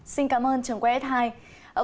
xin cảm ơn trường quay s hai